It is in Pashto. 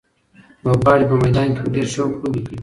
لوبغاړي په میدان کې په ډېر شوق لوبې کوي.